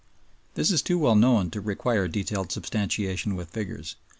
This is too well known to require detailed substantiation with figures.